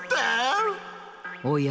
おや？